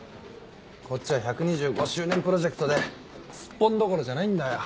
こっちは１２５周年プロジェクトでスッポンどころじゃないんだよ。